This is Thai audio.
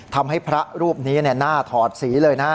ทำให้พระรูปนี้หน้าถอดสีเลยนะฮะ